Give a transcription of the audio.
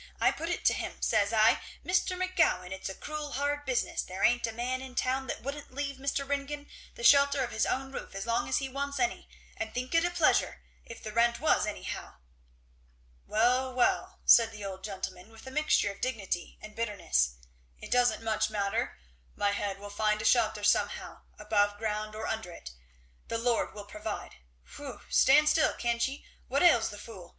I put it to him. Says I, 'Mr. McGowan, it's a cruel hard business; there ain't a man in town that wouldn't leave Mr. Ringgan the shelter of his own roof as long as he wants any, and think it a pleasure, if the rent was anyhow.'" "Well well!" said the old gentleman, with a mixture of dignity and bitterness, "it doesn't much matter. My head will find a shelter somehow, above ground or under it. The Lord will provide. Whey! stand still, can't ye! what ails the fool?